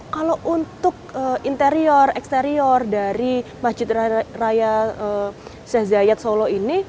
kalau untuk interior eksterior dari masjid raya sheikh zayat solo ini